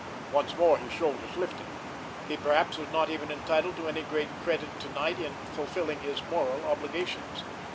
Once more his shoulders lifted. He perhaps was not even entitled to any great credit to night in fulfilling his "moral obligations!"